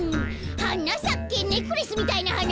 「はなさけネックレスみたいなはな」